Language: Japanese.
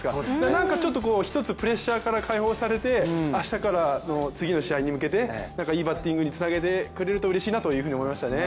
なにかちょっとひとつプレッシャーから解放されて、明日からの、次の試合に向けていいバッティングにつなげてくれるとうれしいなというふうに思いましたね。